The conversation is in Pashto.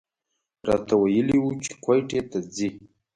راته ویلي و چې کویټې ته ځي.